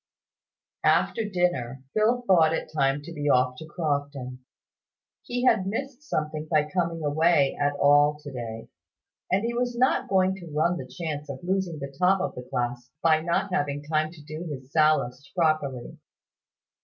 After dinner, Phil thought it time to be off to Crofton. He had missed something by coming away at all to day; and he was not going to run the chance of losing the top of the class by not having time to do his Sallust properly.